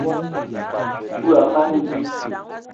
Kulu a mana di.